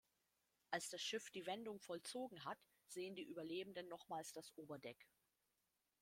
Als das Schiff die Wendung vollzogen hat, sehen die Überlebenden nochmals das Oberdeck.